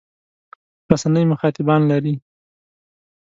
رسنۍ مخاطبان لري.